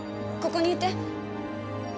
ここにいて。